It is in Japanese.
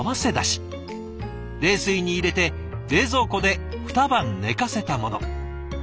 冷水に入れて冷蔵庫で２晩寝かせたもの。